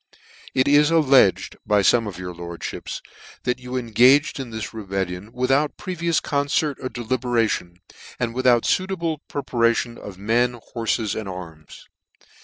{( It is alledged, by fome of your lordfhips, that you engaged in this rebellion without previous concert or deliberation, and without fuitable pre parations of men, horfes,'and arms.